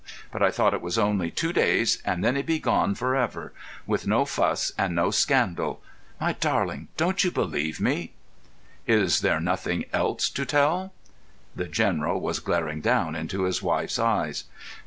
But I thought it was only two days, and then he'd be gone for ever—with no fuss and no scandal. My darling, don't you believe me?" "Is there nothing else to tell?" The General was glaring down into his wife's eyes.